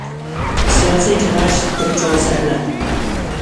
سىياسىي كېڭەش بىر چوڭ سەھنە.